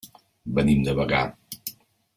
Venim de Bagà.